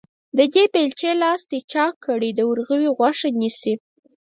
د دې بېلچې لاستي چاک کړی، د ورغوي غوښه نيسي.